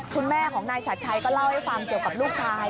คุณแม่ของนายฉัดชัยก็เล่าให้ฟังเกี่ยวกับลูกชาย